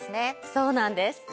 そうなんです。